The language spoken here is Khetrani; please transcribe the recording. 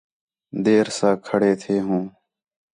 دیر ساں کھڑے تھے ہوں